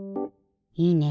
いいね！